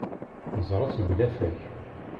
Neẓra-tt deg unafag.